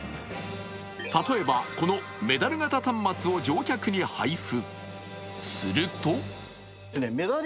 例えば、このメダル型端末を乗客に配布。